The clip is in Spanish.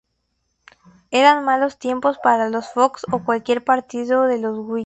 Eran malos tiempos para los Fox o cualquier partidario de los whigs.